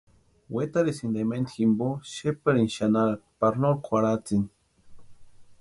Wetarhisïnti ementa jimpo xeparini xanharani pari no kwarhatsini.